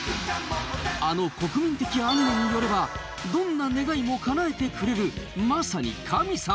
あの国民的アニメによればどんな願いもかなえてくれるまさに神様。